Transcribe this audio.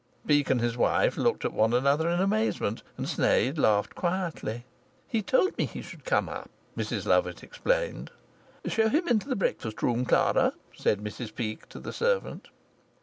Peake and his wife looked at one another in amazement, and Sneyd laughed quietly. "He told me he should come up," Mrs Lovatt explained. "Show him into the breakfast room, Clara," said Mrs Peake to the servant.